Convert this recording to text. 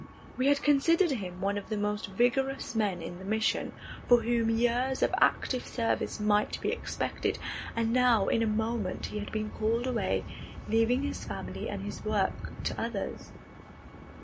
We had considered him one of the most vigorous men in the mission, for whom years of active service might be expected, and now in a moment he had been called away, leaving his family and his work to others.